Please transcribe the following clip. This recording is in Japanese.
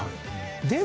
でも